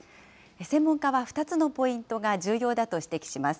専門家は２つのポイントが重要だと指摘します。